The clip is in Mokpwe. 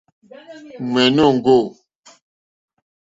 Ŋmèní òŋɡô.